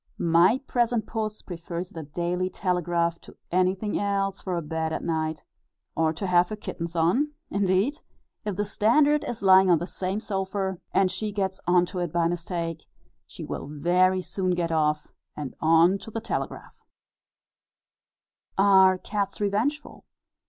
My present puss prefers the Daily Telegraph to anything else for a bed at night, or to have her kittens on; indeed, if the Standard is lying on the same sofa, and she gets on to it by mistake, she will very soon get off, and on to the Telegraph. Are cats revengeful?